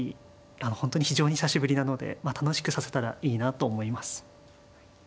あの本当に非常に久しぶりなのでまあ楽しく指せたらいいなと思います。